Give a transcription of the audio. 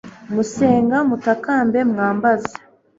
musenga, mutakambe, mwambaze